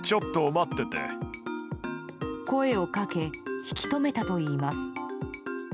声をかけ引き止めたといいます。